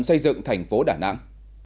xây dựng tp đà nẵng